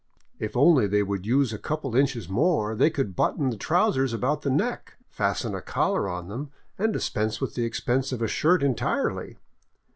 If only they would use a couple of inches more, they could button the trousers about the neck, fasten a collar on them, and dispense with the expense of a shirt entirely.